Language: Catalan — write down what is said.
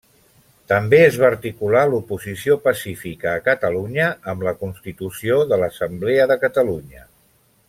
També es va articular l'oposició pacífica a Catalunya amb la constitució de l'Assemblea de Catalunya.